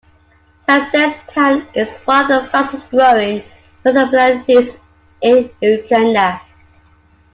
Kasese town is one of the fastest growing municipalities in Uganda.